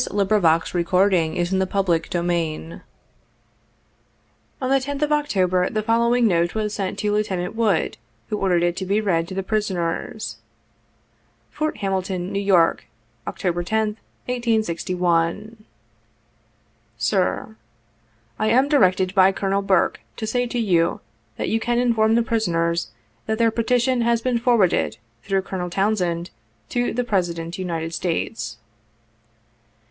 Kopperl, T. H. Wooldridge, Thos. W. Hall, Jr. On the 10th of October, the following note was sent to Lieutenant Wood, who ordered it to he read to the prisoners :" Fort Hamilton, New York, October 10th, 1861. "Sir:— "lam directed by Colonel Burke to say to you, that you can inform the prisoners, that their Petition has been forwarded, through Colonel Townsend, to the President United States.